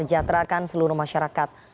mesejahterakan seluruh masyarakat